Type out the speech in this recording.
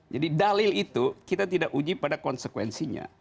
jadi dalil itu kita tidak uji pada konsekuensinya